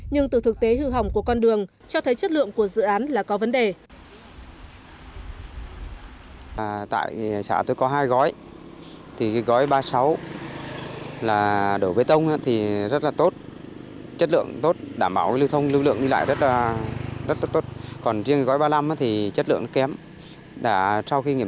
nhưng từ thực tế hư hỏng của con đường cho thấy chất lượng của dự án là có vấn đề